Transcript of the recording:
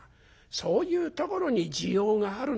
そういうところに滋養があるの。